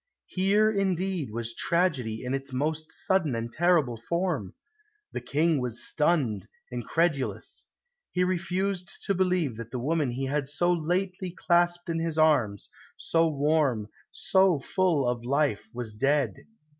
Here, indeed, was tragedy in its most sudden and terrible form! The King was stunned, incredulous. He refused to believe that the woman he had so lately clasped in his arms, so warm, so full of life, was dead.